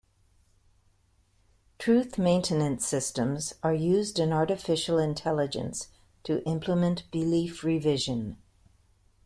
Truth maintenance systems are used in Artificial Intelligence to implement belief revision.